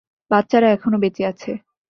বাচ্চারা এখনও বেঁচে আছে।